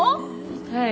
はい。